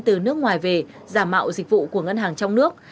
từ nước ngoài về giả mạo dịch vụ của ngân hàng trong nước